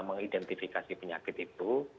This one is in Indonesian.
mengidentifikasi penyakit itu